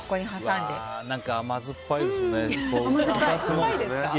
甘酸っぱいですね、部活の。